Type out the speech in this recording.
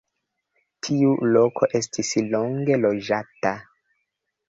Tiu loko estis longe loĝata.